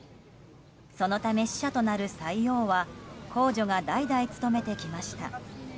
そのため、使者となる斎王は皇女が代々務めてきました。